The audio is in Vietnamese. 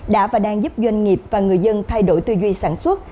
đã và đang giúp doanh nghiệp và người dân thay đổi tư duy sản xuất